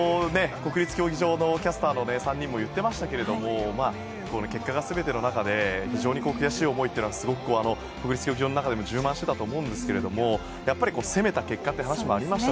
国立競技場のキャスターの３人も言ってましたが結果が全ての中で非常に悔しい思いはすごく国立競技場の中でも充満していたと思うんですが攻めた結果だったという話もありました